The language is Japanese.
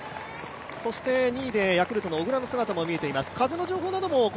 そして２位でヤクルトの小椋の姿も見えています。